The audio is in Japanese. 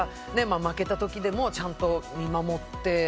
負けた時でもちゃんと見守って。